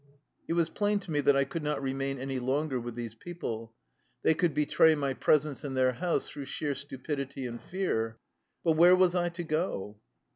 It was plain to me that I could not remain any longer with these people. They could be tray my presence in their house through sheer stupidity and fear. But where was I to go?